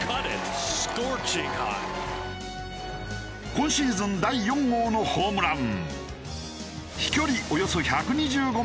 今シーズン第４号のホームラン。